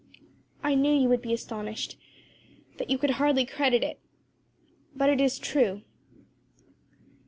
"I knew you would be astonished that you could hardly credit it but it is true."